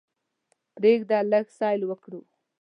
پریږده لږ سیل وکړو.